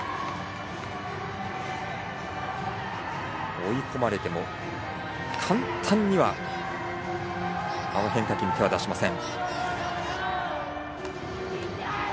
追い込まれても簡単にはあの変化球に手は出しません。